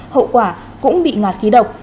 hậu quả cũng bị ngạt khí độc